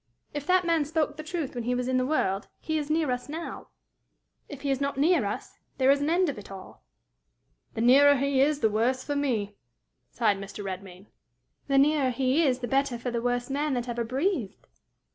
If that man spoke the truth when he was in the world, he is near us now; if he is not near us, there is an end of it all." "The nearer he is, the worse for me!" sighed Mr. Redmain. "The nearer he is, the better for the worst man that ever breathed."